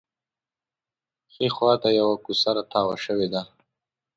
ښي خوا ته یوه کوڅه تاوه شوې ده.